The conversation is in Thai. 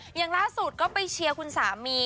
อย่างล่าสุดก็ไปเชียร์คุณสามี